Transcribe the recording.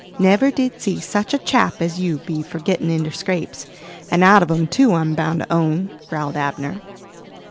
Never did see such a chap as you be for gittin' inter scrapes, and out of 'em too, I'm bound to own," growled Abner.